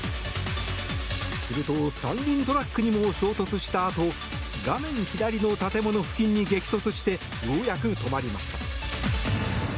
すると、三輪トラックにも衝突したあと画面左の建物付近に激突してようやく止まりました。